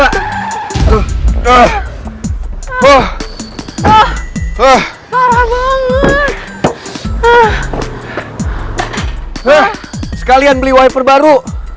wah sekalian beli wiper baru